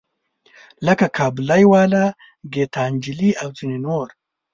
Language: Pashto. لکه کابلی والا، ګیتا نجلي او ځینې نور.